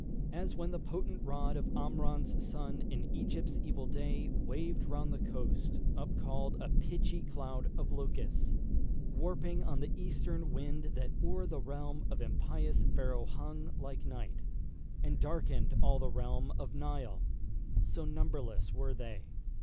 As when the potent rod Of Amram's son, in Egypt's evil day, Waved round the coast, up call'd a pitchy cloud Of locusts, warping on the eastern wind That o'er the realm of impious Pharaoh hung Like night, and darken'd all the realm of Nile, So numberless were they.